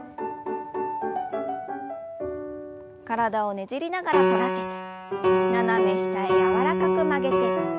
体をねじりながら反らせて斜め下へ柔らかく曲げて。